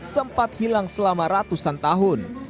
sempat hilang selama ratusan tahun